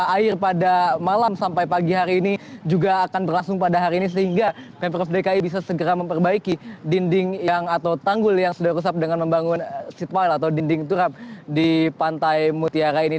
air pada malam sampai pagi hari ini juga akan berlangsung pada hari ini sehingga pemprov dki bisa segera memperbaiki dinding atau tanggul yang sudah rusak dengan membangun seat pile atau dinding turap di pantai mutiara ini